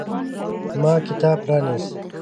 ما کتاب پرانیست.